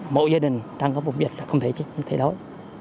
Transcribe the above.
mỗi gia đình đang có vùng dịch là không thể thay đổi